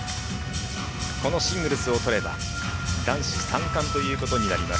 このシングルスを取れば男子三冠ということになります。